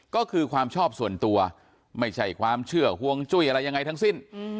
ก็คือความชอบส่วนตัวไม่ใช่ความเชื่อห่วงจุ้ยอะไรยังไงทั้งสิ้น